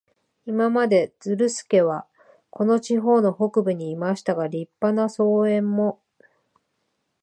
今まで、ズルスケはこの地方の北部にいましたが、立派な荘園も、